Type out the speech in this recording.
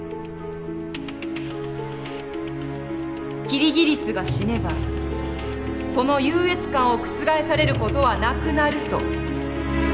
「キリギリスが死ねばこの優越感を覆される事はなくなる」と。